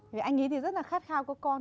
vì anh ấy thì rất là khát khao các con